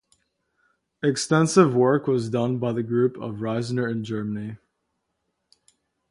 Extensive work was done by the group of Riesner in Germany.